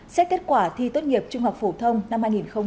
xét kết quả thi tốt nghiệp trung học phổ thông năm hai nghìn hai mươi